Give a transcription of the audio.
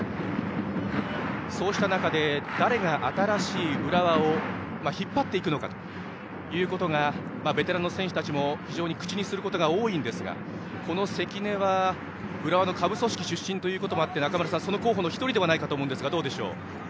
そうした中、誰が新しい浦和を引っ張っていくのかということがベテラン選手たちも非常に口にすることが多いんですが関根は浦和の下部組織出身ということもあって中村さん、その候補の１人ではないかと思うんですがどうでしょうか？